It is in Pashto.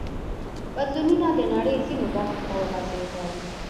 بدلونونه د نړۍ ځینو برخو ته وغځېدل.